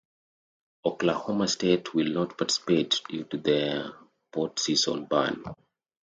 Oklahoma State will not participate due to their postseason ban.